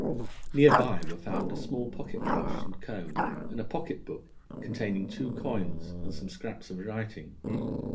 Near by were found a small pocket brush and comb, and a pocket book containing two coins and some scraps of writing.